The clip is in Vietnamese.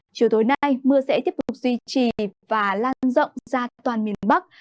chiều tối nay mưa sẽ tiếp tục duy trì và lan rộng ra toàn miền bắc